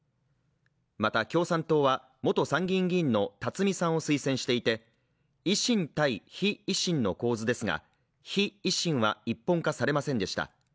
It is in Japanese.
また、共産党は元参議院議員のたつみさんを推薦していて、維新対非維新の構図ですが非維新は一本化されませんでした。